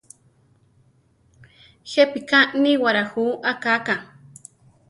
¿Jepíka níwara jú akáka?